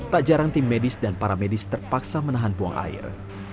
tak jarang tim medis dan para medis terpaksa menahan buang air